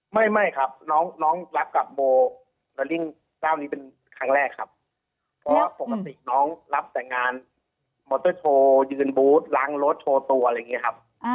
ไม่ไม่ครับน้องรับกับโมเดอริ่งเจ้านี้เป็นครั้งแรกครับเพราะว่าปกติน้องรับแต่งานมอเตอร์โชว์ยืนบูธล้างรถโชว์ตัวอะไรอย่างนี้ครับ